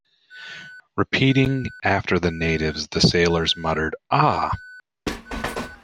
Repeating after the natives, the sailors muttered, Ah!